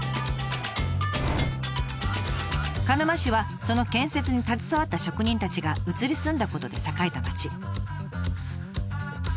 鹿沼市はその建設に携わった職人たちが移り住んだことで栄えた町。